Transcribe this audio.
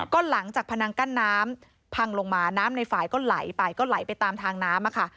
ก็หลังจากพนังกั้นน้ำพังลงมาน้ำในฝ่ายก็ไหลไปก็ไหลไปตามทางน้ำค่ะ